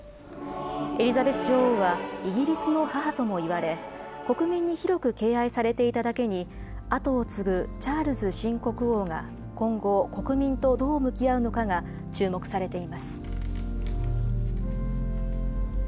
エリザベス女王はイギリスの母ともいわれ国民に広く敬愛されていただけに後を継ぐチャールズ新国王が今後国民とどう向き合うのかが注目されています。